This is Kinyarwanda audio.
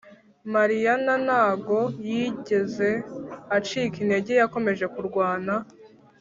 Mariyana ntago yigeze acika intege yakomeje kurwana